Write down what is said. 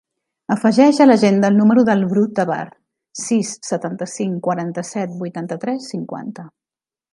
Afegeix a l'agenda el número del Bru Tebar: sis, setanta-cinc, quaranta-set, vuitanta-tres, cinquanta.